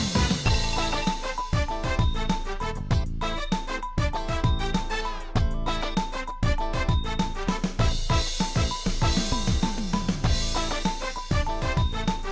ไม่มีใครดีใจกับพี่สักคนเลย